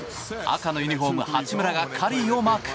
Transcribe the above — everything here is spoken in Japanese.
赤のユニホーム、八村がカリーをマーク。